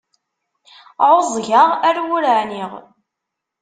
Ɛuẓẓgeɣ, ar wur ɛniɣ.